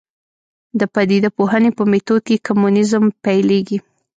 د پدیده پوهنې په میتود کې کمونیزم پیلېږي.